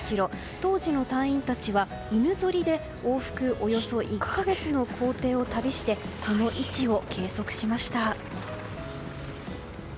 当時の隊員たちは犬ぞりで往復およそ１か月の行程を旅して感動しました！